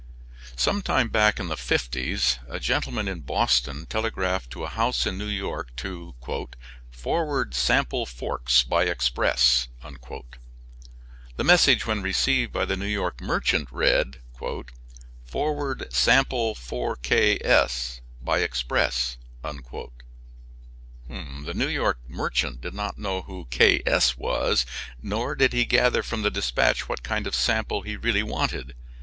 Some time back in the fifties a gentleman in Boston telegraphed to a house in New York to "forward sample forks by express." The message when received by the New York merchant read: "Forward sample for K. S. by express." The New York merchant did not know who K. S. was, nor did he gather from the dispatch what kind of sample he wanted.